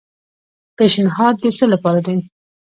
پیشنھاد د څه لپاره دی؟